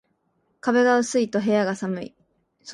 壁が薄いと部屋が寒い